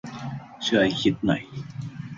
ช่วยคิดหน่อย